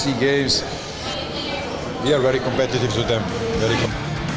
kita sangat berkompetisi dengan mereka